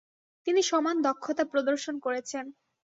তিনি সমান দক্ষতা প্রদর্শন করেছেন।